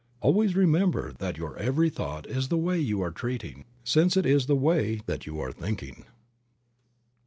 Always remember that your every thought is the way that you are treating, since it is the way that you are thinking.